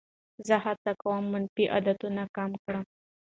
زه هڅه کوم منفي عادتونه کم کړم.